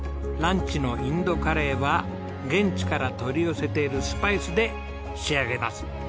ランチのインドカレーは現地から取り寄せているスパイスで仕上げます。